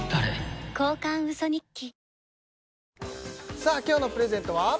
さあ今日のプレゼントは？